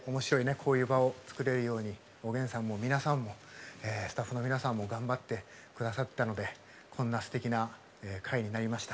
こういう場を作れるようにおげんさんも皆さんもスタッフの皆さんも頑張ってくださったのでこんなすてきな会になりました。